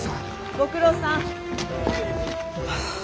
ご苦労さん。はあ